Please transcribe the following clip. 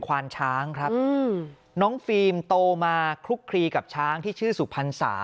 ควานช้างครับน้องฟิล์มโตมาคลุกคลีกับช้างที่ชื่อสุพรรษา